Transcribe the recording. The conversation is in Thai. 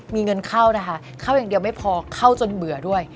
มีเงินเข้านะคะเข้าอย่างเดียวไม่พอเข้าจนเบื่อด้วย